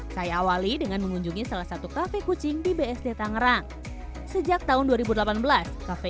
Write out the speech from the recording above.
saya awali dengan mengunjungi salah satu kafe kucing di bsd tangerang sejak tahun dua ribu delapan belas kafe